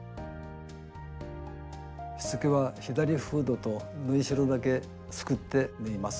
しつけは左フードと縫いしろだけすくって縫います。